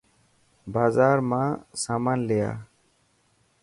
بازار مان سامان لي آ.